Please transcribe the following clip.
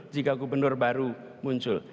jika gubernur baru muncul